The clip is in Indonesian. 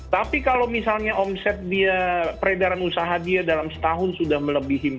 tapi kalau misalnya omset dia peredaran usaha dia dalam setahun sudah melebihi